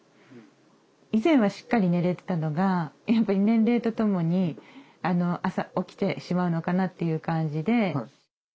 以前はしっかり寝れてたのがやっぱり年齢とともに朝起きてしまうのかなという感じで。